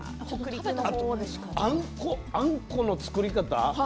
あと、あんこの作り方